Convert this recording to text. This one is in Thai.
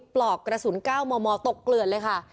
ปลอกกระสุน๙มมตกเกลือนเลยค่ะ